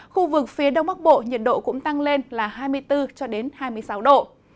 khu vực phía đông bắc bộ nhiệt độ cũng tăng lên là hai mươi bốn cho đến hai mươi sáu độ